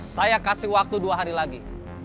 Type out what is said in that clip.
saya kasih waktu dua hari lagi